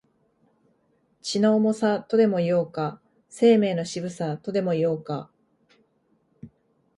血の重さ、とでも言おうか、生命の渋さ、とでも言おうか、